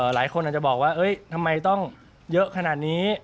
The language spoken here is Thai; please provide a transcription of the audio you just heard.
หลายคนอาจจะบอกว่าทำไมต้องเยอะขนาดนี้